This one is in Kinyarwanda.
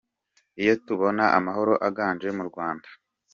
Iyo tubona amahoro aganje mu Rwanda,.